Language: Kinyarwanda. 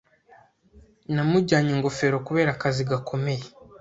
Namujyanye ingofero kubera akazi gakomeye.